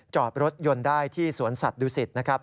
จอดรถยนต์ได้ที่สวนสัตว์ดูสิตนะครับ